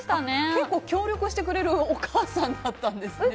結構協力してくれるお母さんだったんですね。